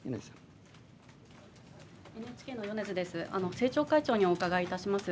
政調会長にお伺いいたします。